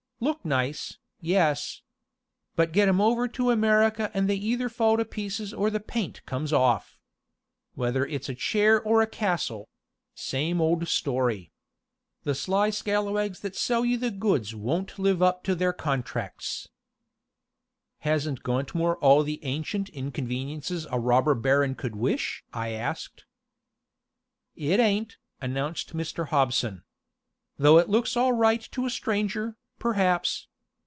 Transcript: Look nice, yes. But get 'em over to America and they either fall to pieces or the paint comes off. Whether it's a chair or a castle same old story. The sly scalawags that sell you the goods won't live up to their contracts." "Hasn't Gauntmoor all the ancient inconveniences a Robber Baron could wish?" I asked. "It ain't," announced Mr. Hobson. "Though it looks all right to a stranger, perhaps.